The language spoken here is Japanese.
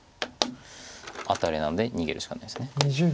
アタリなので逃げるしかないです。